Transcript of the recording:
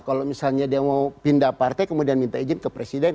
kalau misalnya dia mau pindah partai kemudian minta izin ke presiden